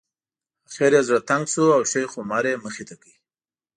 اخر یې زړه تنګ شو او شیخ عمر یې مخې ته کړ.